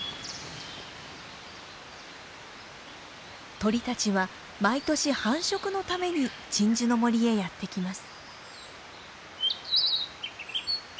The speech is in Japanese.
鳥たちは毎年繁殖のために鎮守の森へやって来ます。